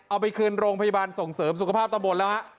เอาไปคืนโรงพยาบาลส่งเสริมสุขภาพตำบลแล้วฮะ